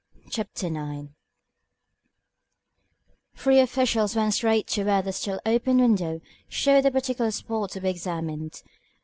CHAPTER XI The three officials went straight to where the still open window showed the particular spot to be examined.